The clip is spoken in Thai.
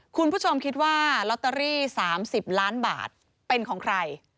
คุณผู้ชมคิดว่าลอตเตอรี่๓๐ล้านบาทเป็นของใคร